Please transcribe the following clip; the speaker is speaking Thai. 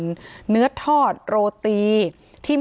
การแก้เคล็ดบางอย่างแค่นั้นเอง